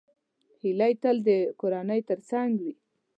هیلۍ تل د کورنۍ تر څنګ وي